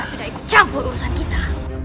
sudah ikut campur urusan kita